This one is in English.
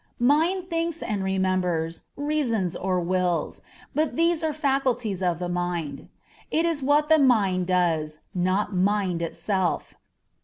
Mind thinks or remembers, reasons or wills, but these are faculties of the mind; it is what the mind does, not mind itself.